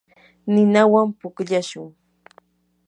ninawan pukllashun.